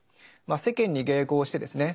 世間に迎合してですね